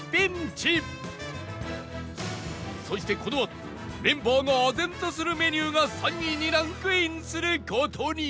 そしてこのあとメンバーが唖然とするメニューが３位にランクインする事に